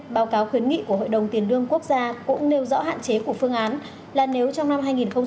báo cáo khuyến nghị của hội đồng tiền lương quốc gia cũng nêu rõ hạn chế của phương án là nếu trong năm hai nghìn hai mươi